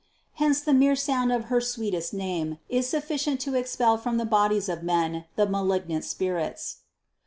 Hence the mere sound of her sweet est name is sufficient to expel from the bodies of men the malignant spirits.